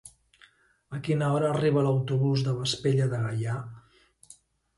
A quina hora arriba l'autobús de Vespella de Gaià?